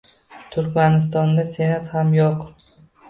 Turkmanistonda Senat ham yo'q